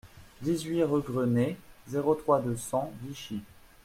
dix rue Grenet, zéro trois, deux cents, Vichy